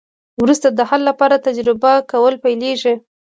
وروسته د حل لارو تجربه کول پیلیږي.